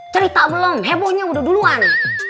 cerita belum hebohnya udah duluan